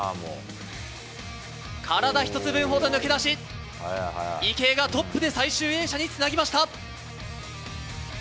体１つ分ほど抜け出し池江がトップで最終泳者につなぎました。